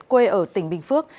quê ở tỉnh bình phước